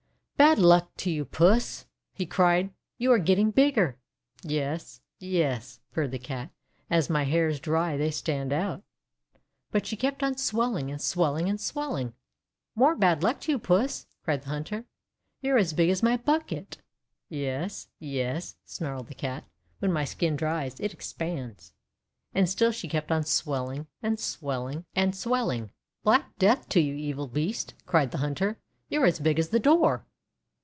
:<Bad luck to you, Puss!' he cried. 'You are getting bigger!' ; Yes — yes —" purred the Cat, <;*as my hairs dry they stand out." But she kept on swelling, and swelling, and swelling. "More bad luck to you, Puss!' cried the hunter. :You are as big as my bucket!' "Yes — yes," snarled the Cat. 'When my skin dries, it expands." And still she kept on swelling, and swelling, and swelling. DOGS HAVE LONG TONGUES 347 "Black death to you, evil beast!' cried the hunter. "You're as big as the door!'